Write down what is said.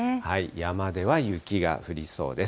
山では雪が降りそうです。